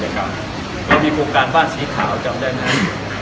กดมีโกงการบ้านสีขาวต้าน